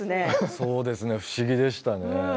そうですね不思議でしたね。